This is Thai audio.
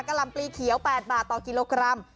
ลำปลีเขียว๘บาทต่อกิโลกรัม